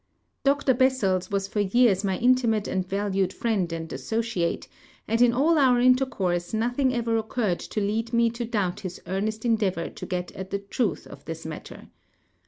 Dr Bessels Avas for years my inti mate and valued friend and associate, and in all our intercourse nothing ever occurred to lead me to doulit his earnest endeavor to get at the truth of this matter.